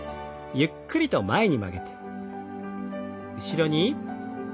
ゆっくりと前に曲げて後ろに。